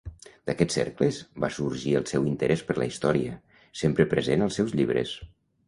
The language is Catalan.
D'aquests cercles va sorgir el seu interès per la història, sempre present als seus llibres.